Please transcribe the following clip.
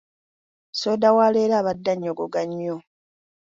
Soda wa leero abadde annyogoga nnyo.